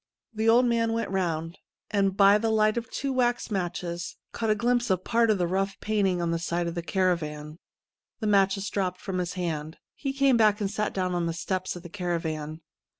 The old man went round, and by the light of two wax matches caught a glimpse of part of the rough painting on the side of the caravan. The inatches dropped from his hand. He came back, and sat down on the steps of the caravan.